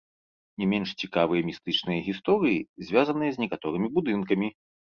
Не менш цікавыя містычныя гісторыі звязаныя з некаторымі будынкамі.